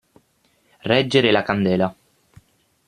Reggere la candela.